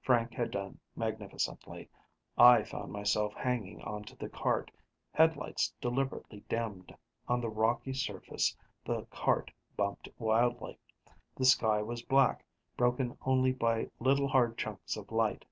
Frank had done magnificently. I found myself hanging onto the cart. Headlights deliberately dimmed, on the rocky surface, the cart bumped wildly. The sky was black, broken only by little, hard chunks of light.